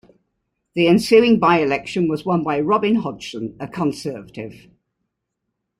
The ensuing by-election was won by Robin Hodgson, a Conservative.